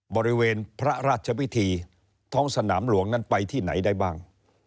บริเวณพระราชวิธีท้องสนามหลวงนั้นไปที่ไหนได้บ้าง